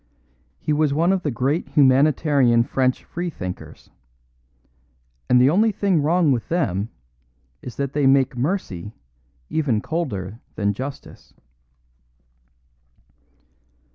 He was one of the great humanitarian French freethinkers; and the only thing wrong with them is that they make mercy even colder than justice.